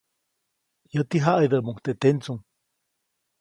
Yäti jaʼidäʼmuŋ teʼ tendsuŋ.